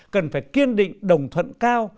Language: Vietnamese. cần phải kiên định đồng thuận cao